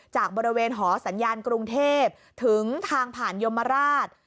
จากบริเวณหอสัญญาณกรุงเทพถึงทางผ่านยมราช